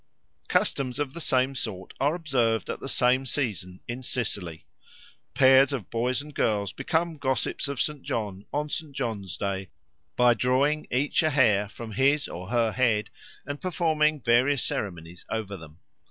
Customs of the same sort are observed at the same season in Sicily. Pairs of boys and girls become gossips of St. John on St. John's Day by drawing each a hair from his or her head and performing various ceremonies over them.